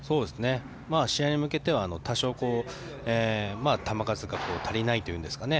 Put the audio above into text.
試合に向けては多少、球数が足りないというんですかね。